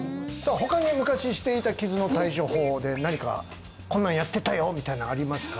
他に昔していた傷の対処法で何かこんなんやってたよみたいのありますか？